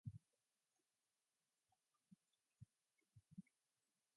Gordon died the next day and Holliday fled.